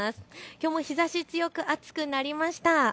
きょうも日差し強く、暑くなりました。